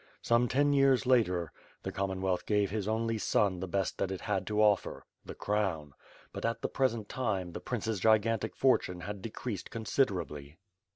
Some ten years later, the Com monwealth gave his only son the best that it had to offer — the crown; but at the present time the prince's gigantic fortune had decreased considerably.